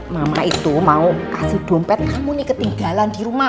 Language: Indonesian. mama itu mau kasih dompet kamu nih ketinggalan dirumah